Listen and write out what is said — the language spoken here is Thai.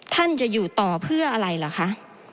ท่านจะอยู่ต่อเพื่ออะไรเหรอคะ